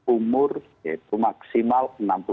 umur maksimal enam puluh lima